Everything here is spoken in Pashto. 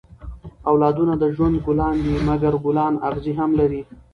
اولادونه د ژوند ګلان دي؛ مکر ګلان اغزي هم لري.